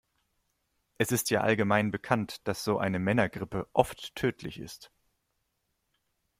Es ist ja allgemein bekannt, dass so eine Männergrippe oft tödlich ist.